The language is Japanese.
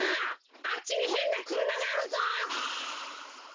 あっちにへんなくるまがあるぞ！